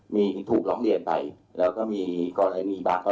ก็อยู่ประมาณแสนบาท